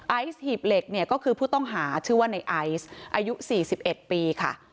ไอซ์หีบเหล็กเนี่ยก็คือผู้ต้องหาชื่อว่าในไอซ์อายุ๔๑ปีค่ะ